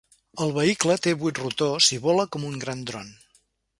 El vehicle té vuit rotors i vola com un gran dron.